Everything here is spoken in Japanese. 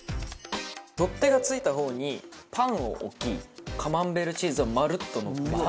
取っ手が付いた方にパンを置きカマンベールチーズをまるっとのっけちゃいます。